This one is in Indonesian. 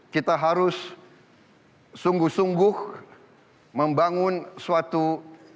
kita harus sungguh sungguh membangun suatu negara yang berhasil